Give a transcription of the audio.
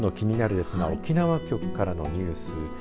ですが沖縄局からのニュース